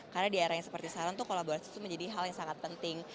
karena di area seperti sekarang tuh kolaborasi tuh menjadi hal yang sangat penting